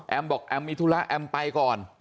บอกแอมมีธุระแอมไปก่อน